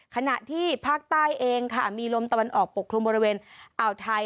ขณะที่ภาคใต้เองค่ะมีลมตะวันออกปกคลุมบริเวณอ่าวไทย